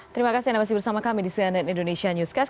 terima kasih anda masih bersama kami di cnn indonesia newscast